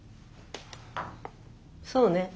そうね。